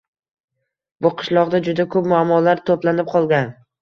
Bu qishloqda juda koʻp muammolar toʻplanib qolgan.